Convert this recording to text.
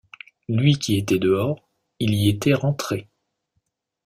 Lui qui était dehors, il y était rentré.